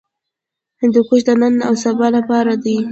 هندوکش د نن او سبا لپاره دی.